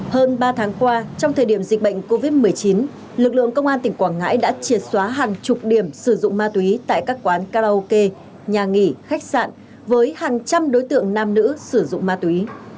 hơn ba tháng qua trong thời điểm dịch bệnh covid một mươi chín lực lượng công an tỉnh quảng ngãi đã triệt xóa hàng chục điểm sử dụng ma túy tại các quán karaoke nhà nghỉ khách sạn với hàng trăm đối tượng nam nữ sử dụng ma túy